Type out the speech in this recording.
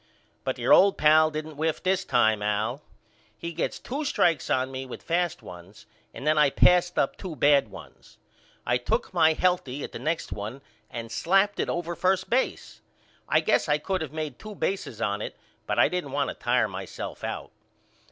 But your old pal didn't whiff this time Al. He gets two strikes on me with fast ones and then I passed up two bad ones. I took my healthy at the next one and slapped it over first base. I guess I could of made two bases on it but I didn't want to tire myself out.